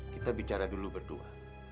kita bicara dulu berdua